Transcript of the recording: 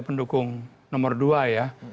pendukung nomor dua ya